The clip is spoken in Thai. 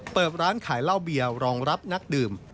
เปิดร้านขายเหล้าเบียร์รองรับนักดื่ม